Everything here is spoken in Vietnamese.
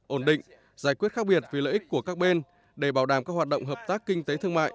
ổn định giải quyết khác biệt vì lợi ích của các bên để bảo đảm các hoạt động hợp tác kinh tế thương mại